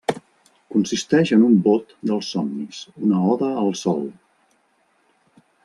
Consisteix en un bot dels somnis, una oda al sol.